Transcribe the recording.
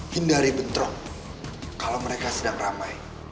hindari bentrok kalau mereka sedang ramai